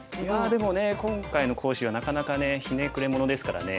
でもね今回の講師はなかなかねひねくれ者ですからね。